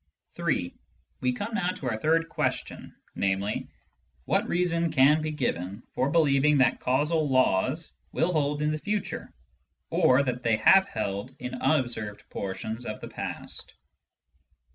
III. We come now to our third question, namely : What reason can be given for believing that causal laws will hold in future, or that they have held in unobserved portions of the past